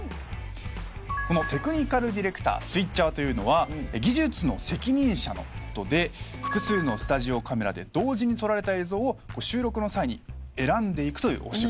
スイッチャーというのは技術の責任者のことで複数のスタジオカメラで同時に撮られた映像を収録の際に選んでいくというお仕事。